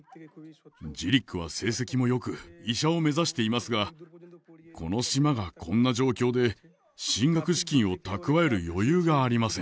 ジリックは成績も良く医者を目指していますがこの島がこんな状況で進学資金を蓄える余裕がありません。